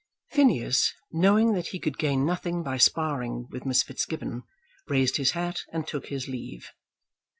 Phineas, knowing that he could gain nothing by sparring with Miss Fitzgibbon, raised his hat and took his leave.